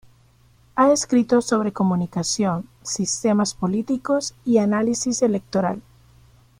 Ha escrito sobre comunicación, sistemas políticos y análisis electoral.